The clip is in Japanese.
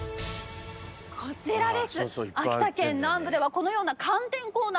こちらです！